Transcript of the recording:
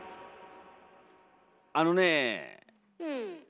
あのねえ。